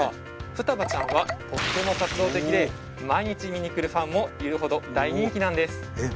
ふたばちゃんはとっても活動的で毎日見に来るファンもいるほど大人気なんですえっ